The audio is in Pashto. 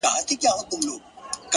علم د انسان ځواک زیاتوي!.